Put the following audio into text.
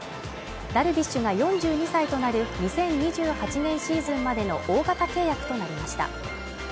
ダルビッシュが４２歳となる２０２８年シーズンまでの大型契約となりました